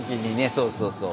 そうそうそう。